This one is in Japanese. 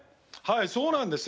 そうなんですよ。